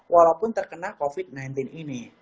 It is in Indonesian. walaupun terkena covid sembilan belas ini